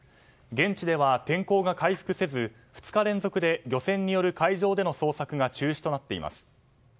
現地では天候が回復せず２日連続で漁船による海上での捜索が中止となっています。